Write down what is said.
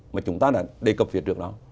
mà chúng ta đã đề cập việc trước đó